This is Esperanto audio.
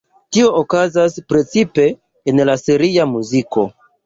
Tio okazas precipe en la seria muziko.